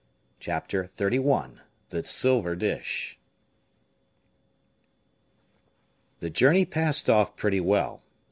Chapter XXXI. The Silver Dish. The journey passed off pretty well.